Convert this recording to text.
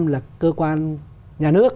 là cơ quan nhà nước